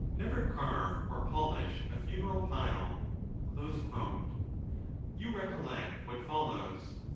"Never carve or polish a funeral pile." You recollect what follows